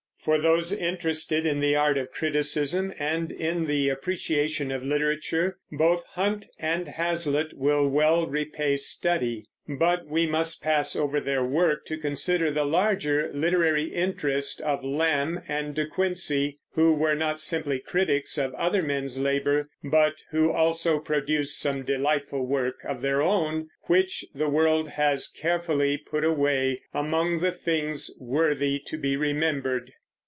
For those interested in the art of criticism, and in the appreciation of literature, both Hunt and Hazlitt will well repay study; but we must pass over their work to consider the larger literary interest of Lamb and De Quincey, who were not simply critics of other men's labor, but who also produced some delightful work of their own, which the world has carefully put away among the "things worthy to be remembered."